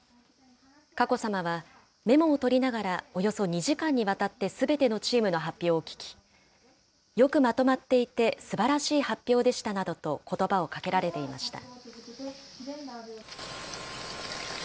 佳子さまは、メモを取りながらおよそ２時間にわたってすべてのチームの発表を聞き、よくまとまっていてすばらしい発表でしたなどと、ことばをかけられていました。